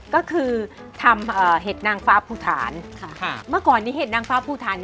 ขอบคุณค่ะ